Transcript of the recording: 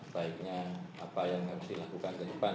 baiknya apa yang harus dilakukan ke depan